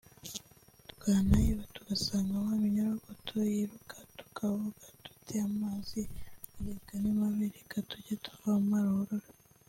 twanayiba tugasangamo iminyorogoto yiruka turavuga tuti amazi areka ni mabi reka tujye tuvoma ruhurura